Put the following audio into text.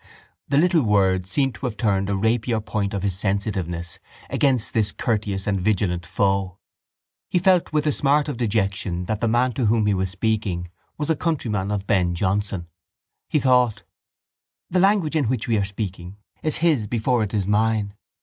The little word seemed to have turned a rapier point of his sensitiveness against this courteous and vigilant foe. He felt with a smart of dejection that the man to whom he was speaking was a countryman of Ben Jonson. He thought: —The language in which we are speaking is his before it is mine.